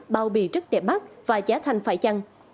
bao bì rất đẹp mắt và giá thành phải chăng